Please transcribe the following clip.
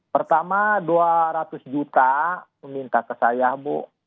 pertama dua ratus juta meminta ke saya bu